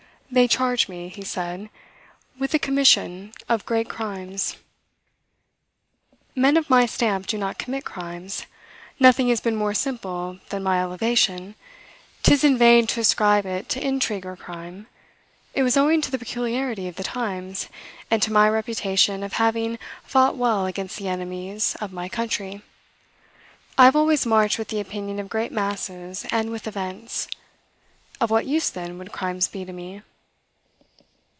"They charge me," he said, "with the commission of great crimes: men of my stamp do not commit crimes. Nothing has been more simple than my elevation: 'tis in vain to ascribe it to intrigue or crime: it was owing to the peculiarity of the times, and to my reputation of having fought well against the enemies of my country. I have always marched with the opinion of great masses, and with events. Of what use, then, would crimes be to me?"